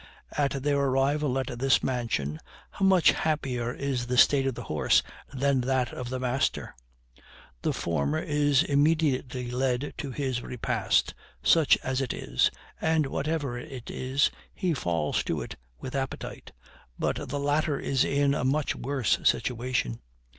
At their arrival at this mansion how much happier is the state of the horse than that of the master! The former is immediately led to his repast, such as it is, and, whatever it is, he falls to it with appetite. But the latter is in a much worse situation.